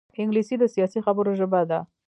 انګلیسي د سیاسي خبرو ژبه ده